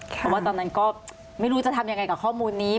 เพราะว่าตอนนั้นก็ไม่รู้จะทำยังไงกับข้อมูลนี้